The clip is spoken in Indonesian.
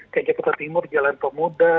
kayak jakarta timur jalan pemuda